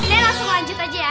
deh langsung lanjut aja ya